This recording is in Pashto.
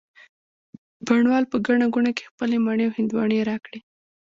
بڼ وال په ګڼه ګوڼه کي خپلې مڼې او هندواڼې را کړې